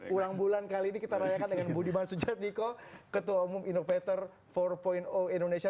ulang bulan kali ini kita rayakan dengan budi masujad niko ketua umum innovator empat indonesia